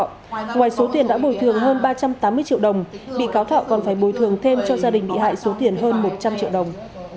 ngoài số tiền đã bồi thường hơn ba trăm tám mươi triệu đồng bị cáo thảo còn phải bồi thường thêm cho gia đình bị hại số tiền hơn một trăm linh triệu đồng